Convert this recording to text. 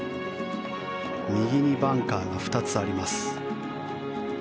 右にバンカーが２つあります。